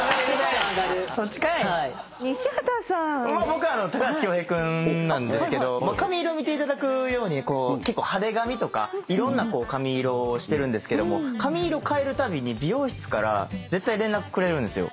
僕は高橋恭平君なんですけど髪色見ていただくように結構派手髪とかいろんな髪色をしてるんですけど髪色変えるたびに美容室から絶対連絡くれるんですよ。